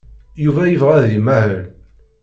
Yuba yebɣa ad imahel.